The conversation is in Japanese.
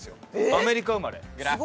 アメリカ生まれ。